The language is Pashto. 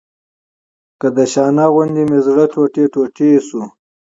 که د شانه غوندې مې زړه ټوټې ټوټې شو.